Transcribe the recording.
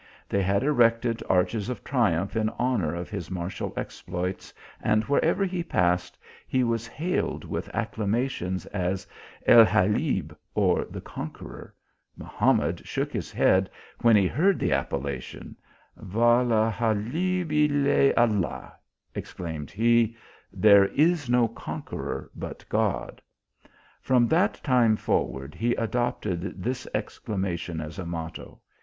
They had erected arches of triumph in honour of his martial exploits, and wherever he passed he was hailed with acclamations, as El Galib, or the conqueror ; Mahamad shook his head when he heard the appellation, " Wa le Galib iU Aid" exclaimed he : (there is no conqueror but God !) From that time forward, he adopted this exclama tion as a motto.